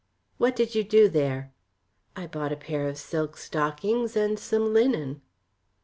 "What did you do there?" "I bought a pair of silk stockings and some linen."